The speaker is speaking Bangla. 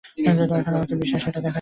এখন আমাকে বিশ্বাস কি সেটা শেখাচ্ছ?